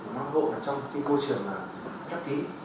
mang hộ trong một môi trường khép kín